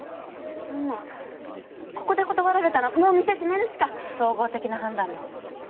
そんなここで断られたらもう店閉めるしか総合的な判断です